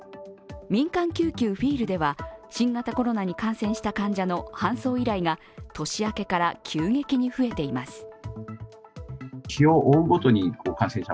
民間救急フィールでは、新型コロナに感染した患者の搬送依頼が年明けから急激に増えています。